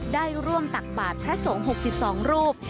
ได้ร่วมตักบาทพระสงฆ์๖๒รูป